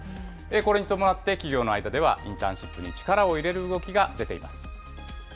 これに伴って、企業の間ではインターンシップに力を入れる動きが出ています。